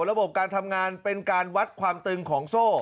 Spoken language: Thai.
ระบบการทำงานเป็นการวัดความตึงของโซ่